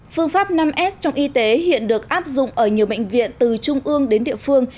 phương pháp năm s trong y tế hiện được áp dụng ở nhiều bệnh viện từ trung ương đến địa phương